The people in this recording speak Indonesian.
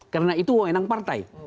karena itu wawenang partai